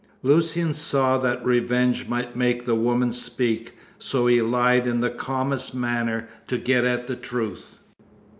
Lucian saw that revenge might make the woman speak, so he lied in the calmest manner to get at the truth.